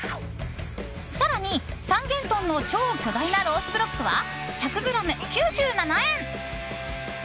更に、三元豚の超巨大なロースブロックは１００ｇ９７円！